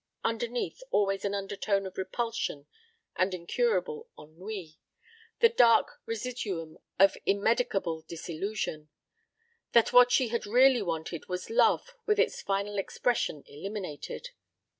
... Underneath always an undertone of repulsion and incurable ennui ... the dark residuum of immedicable disillusion ... that what she had really wanted was love with its final expression eliminated.